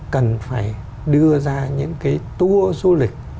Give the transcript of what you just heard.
cần phải đưa ra những cái tour du lịch